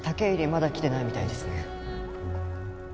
まだ来てないみたいですね